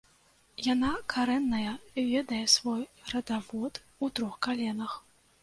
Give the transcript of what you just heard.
Яна карэнная, ведае свой радавод у трох каленах.